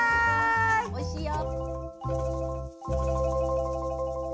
おいしいよ。